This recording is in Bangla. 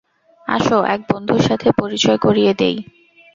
আসো এক বন্ধুর সাথে পরিচয় করিয়ে দিই।